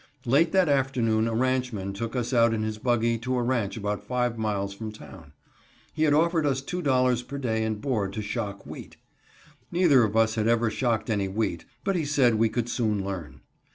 Late that afternoon a ranchman took us out in his buggy to a ranch about five miles from town. He had offered us $2.00 per day and board to shock wheat. Neither of us had ever shocked any wheat, but he said we could soon learn.